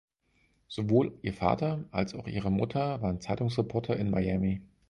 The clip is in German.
Sowohl ihr Vater als auch ihre Mutter waren Zeitungsreporter in Miami.